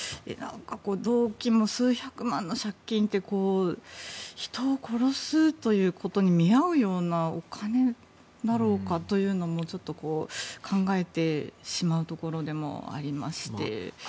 動機も数百万の借金って人を殺すことに見合うようなお金だろうかというのもちょっと考えてしまうところでもありまして。